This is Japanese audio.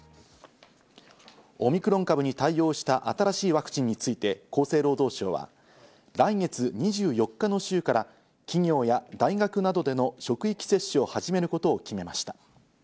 オミクロン株に対応した新しいワクチンについて厚生労働省は、来月２４日の週から企業や大学などでの職域接種を始めることを決めました。